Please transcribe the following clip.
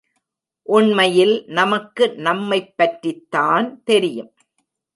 உண்மையில் நமக்கு நம்மைப் பற்றித்தான் தெரியும்.